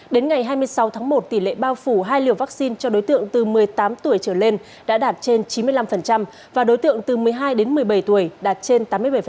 đến ngày hai mươi sáu tháng một tỷ lệ bao phủ hai liều vaccine cho đối tượng từ một mươi tám tuổi trở lên đã đạt trên chín mươi năm và đối tượng từ một mươi hai đến một mươi bảy tuổi đạt trên tám mươi bảy